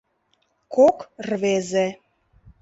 Кок рвезе.